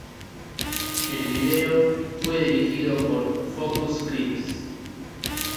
El video fue dirigido por Focus Creeps.